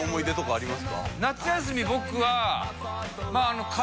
夏休み僕は。